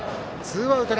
ツーアウト。